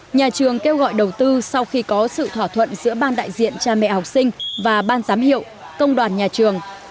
nhà trường kêu gọi đầu tư sau khi có sự thỏa thuận giữa ban đại diện cha mẹ học sinh và ban giám hiệu công đoàn nhà trường